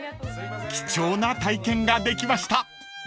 ［貴重な体験ができました］